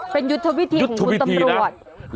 เป็นยุทธวิธีของคุณตำรวจยุทธวิธีนะ